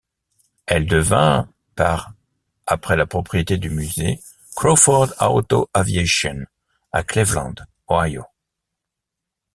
Elle devint par après la propriété du musée Crawford Auto-Aviation à Cleveland, Ohio.